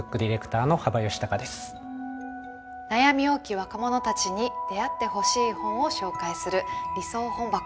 悩み多き若者たちに出会ってほしい本を紹介する「理想本箱」。